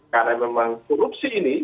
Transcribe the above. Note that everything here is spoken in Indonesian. karena memang korupsi ini